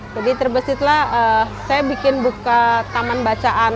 jadi terbesitlah saya bikin buka taman bacaan